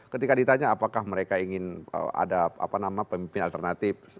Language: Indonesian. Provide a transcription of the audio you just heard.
ketika ditanya apakah mereka ingin ada pemimpin alternatif